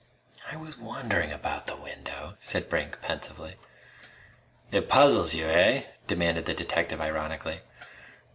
"I was wondering about the window," said Brink, pensively. "It puzzles you, eh?" demanded the detective ironically.